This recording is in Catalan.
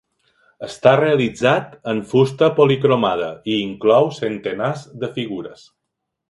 Està realitzat en fusta policromada i inclou centenars de figures.